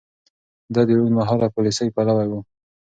ده د اوږدمهاله پاليسۍ پلوی و.